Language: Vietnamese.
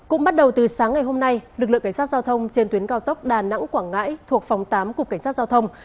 cũng bắt đầu từ sáng ngày hôm nay lực lượng cảnh sát giao thông trên tuyến cao tốc đà nẵng quảng ngãi thuộc phòng tám cục cảnh sát giao thông